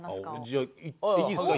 じゃあいいですか？